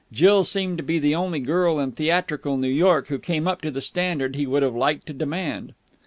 Jill seemed to be the only girl in theatrical New York who came up to the standard he would have liked to demand.